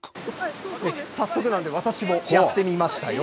早速なんで私もやってみましたよ。